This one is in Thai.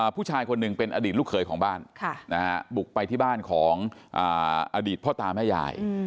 ผู้ชายคนหนึ่งเป็นอดีตลูกเขยของบ้านบุกไปที่บ้านของอดีตพ่อตาแม่ยาย